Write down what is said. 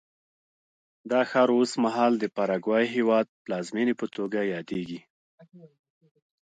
دا ښار اوس مهال د پاراګوای هېواد پلازمېنې په توګه یادېږي.